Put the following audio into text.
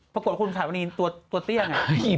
ปรากฏว่าคุณสาวนีนตัวเตี้ยไง